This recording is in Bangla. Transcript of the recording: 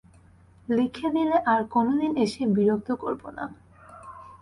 লিখে দিলে আর কোনোদিন এসে বিরক্ত করব না।